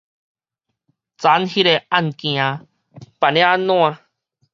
昨昏彼个案件辦了按怎？